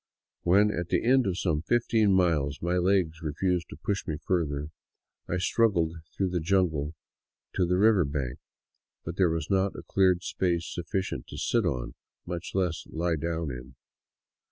When, at the end of some fifteen miles, my legs refused to push me further, I struggled through the jungle to the river bank; but there was not a cleared space sufficient to sit on, much less to lie down in.